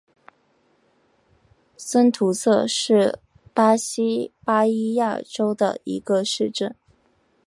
森图塞是巴西巴伊亚州的一个市镇。